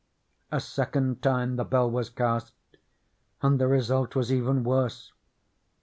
A second time the bell was cast, and the result was even worse.